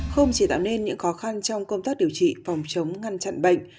không chỉ tạo nên những khó khăn trong công tác điều trị phòng chống ngăn chặn bệnh